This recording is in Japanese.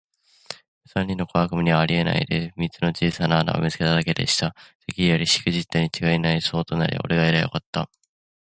三人の小悪魔にはあえないで、三つの小さな穴を見つけただけでした。「てっきりやりしくじったにちがいない。そうとすりゃおれがやりゃよかった。」